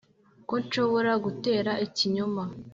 ko nshobora gutera ikinyoma,